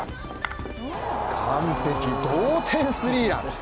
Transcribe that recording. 完璧、同点スリーラン。